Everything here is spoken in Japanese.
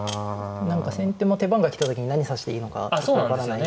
何か先手も手番が来た時に何指していいのか分からない。